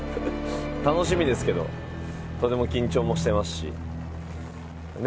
楽しみですけどとても緊張もしてますし。